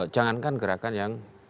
jangankan gerakan yang